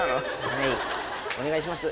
はいお願いします。